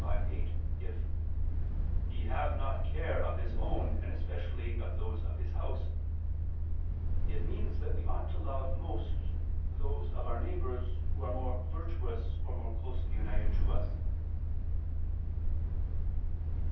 5:8) if he "have not care of his own, and especially of those of his house," it means that we ought to love most those of our neighbors who are more virtuous or more closely united to us.